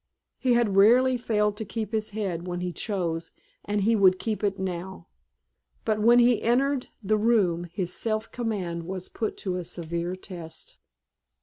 He had rarely failed to keep his head when he chose and he would keep it now. But when he entered the room his self command was put to a severe test.